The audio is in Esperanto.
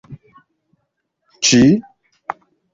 ĉi